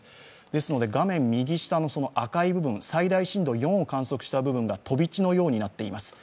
ですので画面右下の赤い部分、最大震度４を観測した部分が飛び地のようになっています。